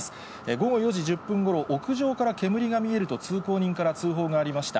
午後４時１０分ごろ、屋上から煙が見えると通行人から通報がありました。